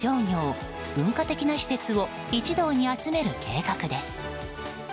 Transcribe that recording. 将来的には行政、商業、文化的な施設を一堂に集める計画です。